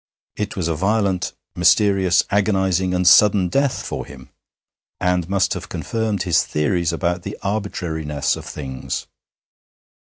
It was a violent, mysterious, agonizing, and sudden death for him, and must have confirmed his theories about the arbitrariness of things.